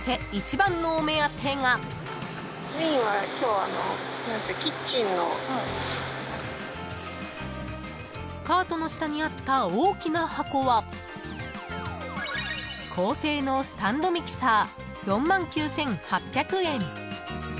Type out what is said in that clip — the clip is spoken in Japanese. ［そして］［カートの下にあった大きな箱は高性能スタンドミキサー４万９，８００円］